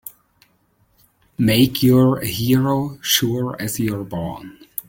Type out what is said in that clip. Make you're a hero sure as you're born!